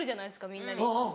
みんなに。